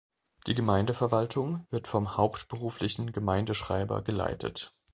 Die Gemeindeverwaltung wird vom hauptberuflichen Gemeindeschreiber geleitet.